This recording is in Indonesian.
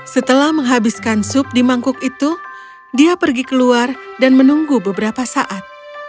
setelah menghabiskan sup di mangkuk itu dia pergi keluar dan menunggu beberapa saat